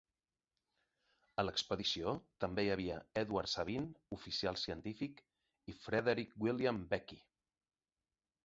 A l'expedició també hi havia Edward Sabine, oficial científic, i Frederick William Beechy.